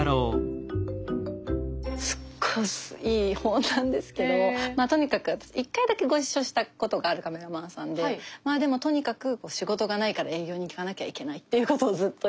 すっごいいい本なんですけどとにかく１回だけご一緒したことがあるカメラマンさんでまぁでもとにかく仕事がないから営業に行かなきゃいけないっていうことをずっと言ってて。